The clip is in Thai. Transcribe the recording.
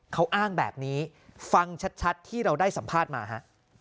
เขาอ้างแบบนี้ฟังชัดที่เราได้สัมภาษณ์มาฮะ